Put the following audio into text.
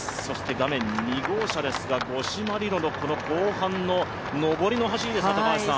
画面は２号車ですが、五島莉乃の後半の上りの走りです。